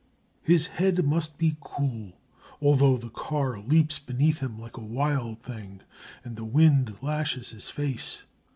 His head must be cool although the car leaps beneath him like a wild thing, and the wind lashes his face.